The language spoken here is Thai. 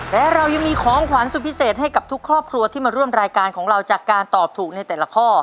และเรายังมีของขวัญสุดพิเศษให้กับทุกครอบครัวที่มาร่วมรายการของเราจากการตอบถูกในแต่ละข้อ